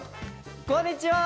こんにちは！